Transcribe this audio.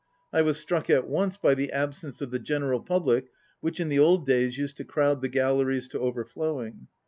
I was struck at once by the absence of the general public which in the old days used to crowd the galleries to overflowing.